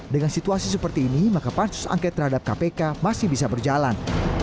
dengan situasi seperti ini maka pansus angket terhadap kpk masih bisa berjalan